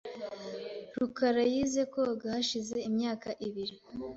rukara yize koga hashize imyaka ibiri.